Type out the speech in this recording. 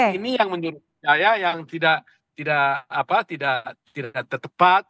nah ini yang menurut saya yang tidak tidak apa tidak tidak terdapat